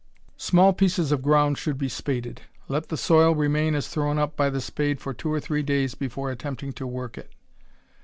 Small pieces of ground should be spaded. Let the soil remain as thrown up by the spade for two or three days before attempting to work it.